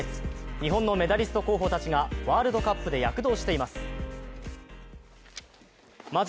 日本のメダリスト候補たちがワールドカップで躍動しています。